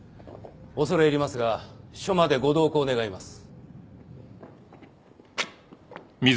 恐れ入りますが署までご同行願います。